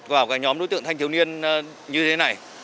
vào cái nhóm đối tượng thanh thiếu niên như thế này